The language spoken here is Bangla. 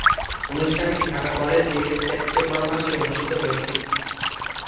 অনুষ্ঠানটি ঢাকা কলেজে সেপ্টেম্বর মাসে অনুষ্ঠিত হয়েছিলো।